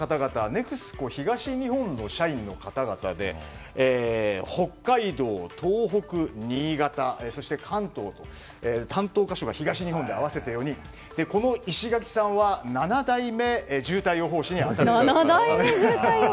ＮＥＸＣＯ東日本の社員の方々で北海道、東北、新潟、関東と担当箇所が東日本で合わせたようにこの石垣さんは７代目渋滞予報士に当たるそうです。